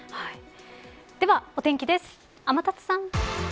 では、お天気です、天達さん。